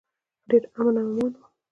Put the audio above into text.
ډیر امن و امان و.